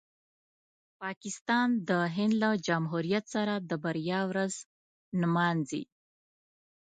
پاکستان د هند له جمهوریت سره د بریا ورځ نمانځي.